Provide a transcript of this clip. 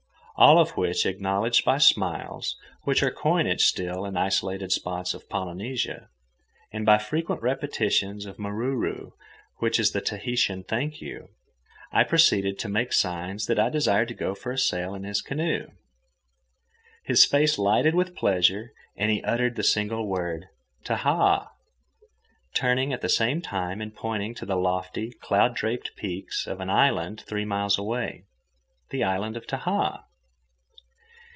All of which acknowledged by smiles (which are coinage still in isolated spots of Polynesia) and by frequent repetitions of mauruuru (which is the Tahitian "thank you"), I proceeded to make signs that I desired to go for a sail in his canoe. His face lighted with pleasure and he uttered the single word, "Tahaa," turning at the same time and pointing to the lofty, cloud draped peaks of an island three miles away—the island of Tahaa.